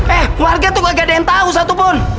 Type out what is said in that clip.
eh warga tuh gak ada yang tahu satupun